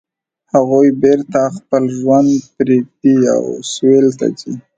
هغوی بیرته خپل ژوند پریږدي او سویل ته ځي